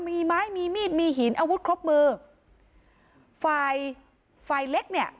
มีไม้มีมีดมีหินอาวุธครบมือฝ่ายฝ่ายเล็กเนี่ย